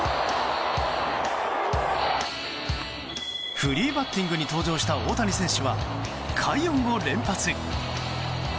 フリーバッティングに登場した大谷選手は快音を連発。